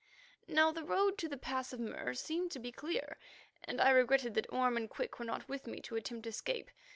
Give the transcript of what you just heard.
Now the road to the Pass of Mur seemed to be clear, and I regretted that Orme and Quick were not with me to attempt escape.